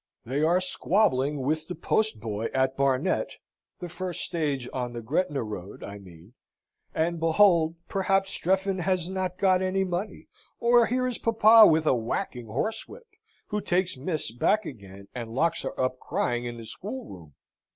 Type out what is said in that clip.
They are squabbling with the post boy at Barnet (the first stage on the Gretna Road, I mean), and, behold, perhaps Strephon has not got any money, or here is papa with a whacking horsewhip, who takes Miss back again, and locks her up crying in the schoolroom.